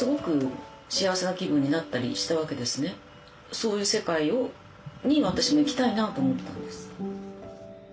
そういう世界に私も行きたいなと思ったんです。